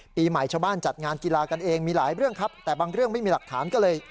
ปีใหม่ชาวบ้านจัดงานกีฬากันเองมีหลายเรื่องครับแต่บางเรื่องไม่มีหลักฐานก็เลย